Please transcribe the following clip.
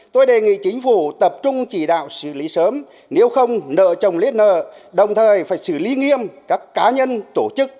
tôi đề nghị chính phủ tập trung chỉ đạo xử lý sớm nếu không nợ trồng lấy nợ đồng thời phải xử lý nghiêm các cá nhân tổ chức